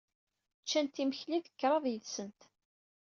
Ččant imekli deg kraḍ yid-sent.